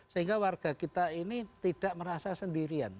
sehingga warga kita ini tidak merasa sendirian